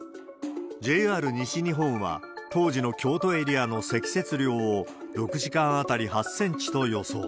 ＪＲ西日本は、当時の京都エリアの積雪量を６時間当たり８センチと予想。